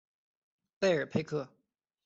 贝尔佩克。